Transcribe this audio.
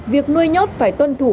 việc nuôi nhốt phải tuân thủ